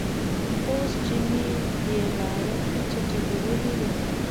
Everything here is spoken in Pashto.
اوس چې مې دې لاره کې چټلي ولیده.